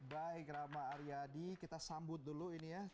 baik rama aryadi kita sambut dulu ini ya